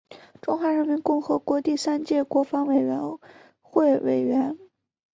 中华人民共和国第三届国防委员会委员。